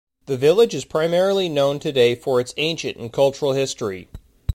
The village is primarily known today for its ancient and cultural history.